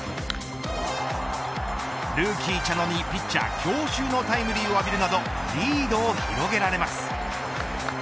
ルーキー茶野の２ピッチャー強襲のタイムリーを浴びるなどリードを広げられます。